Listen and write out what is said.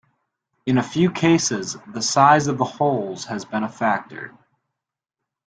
In a few cases the size of the holes has been a factor.